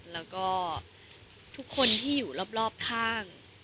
แล้วก็ทุกคนที่อยู่รอบข้าง